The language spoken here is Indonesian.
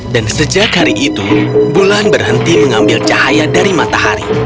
dan sejak hari itu bulan berhenti mengambil cahaya dari matahari